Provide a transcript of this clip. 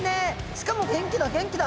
しかも元気だ元気だ。